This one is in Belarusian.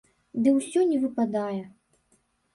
Ды ўсё не выпадае.